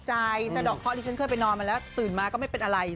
สะดอกเคาะที่ฉันเคยไปนอนมาแล้วตื่นมาก็ไม่เป็นอะไร